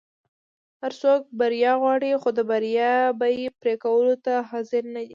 هر څوک بریا غواړي خو د بریا بیی پری کولو ته حاضر نه دي.